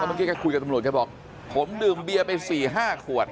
เมื่อกี้แกคุยกับตำรวจแกบอกผมดื่มเบียร์ไป๔๕ขวด